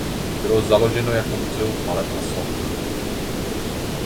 Bylo založeno jako muzeum maleb a soch.